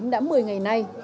đã một mươi ngày nay